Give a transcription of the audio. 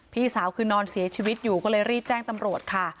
พี่สาวคือนอนเสียชีวิตอยู่ก็เลยรีบแจ้งตำรวจค่ะ